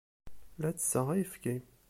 La ttesseɣ ayefki.